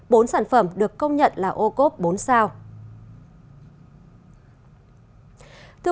bốn sản phẩm được công nhận là ô cốp bốn sao